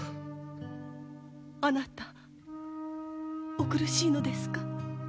あなたお苦しいのですか。